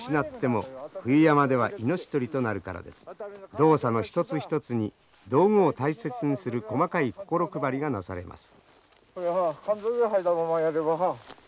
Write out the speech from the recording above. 動作の一つ一つに道具を大切にする細かい心配りがなされます。